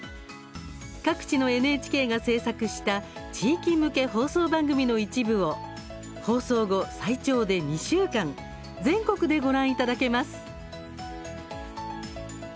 各地のＮＨＫが制作した地域向け放送番組の一部を放送後、最長で２週間全国でご覧いただけます。